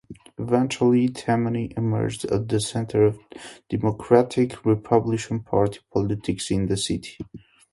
Eventually Tammany emerged as the center of Democratic-Republican Party politics in the city.